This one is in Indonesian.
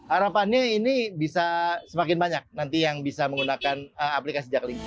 harapannya ini bisa semakin banyak nanti yang bisa menggunakan aplikasi jakling